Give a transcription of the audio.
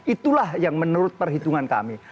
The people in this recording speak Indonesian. itulah yang menurut perhitungan kami